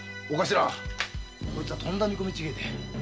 こいつはとんだ見込み違いで。